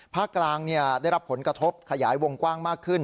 กลางได้รับผลกระทบขยายวงกว้างมากขึ้น